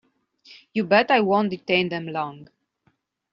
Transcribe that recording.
You bet I won't detain them long.